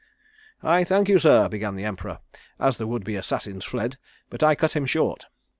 "'I thank you, sir,' began the Emperor, as the would be assassins fled, but I cut him short.